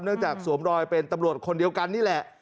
จากสวมรอยเป็นตำรวจคนเดียวกันนี่แหละ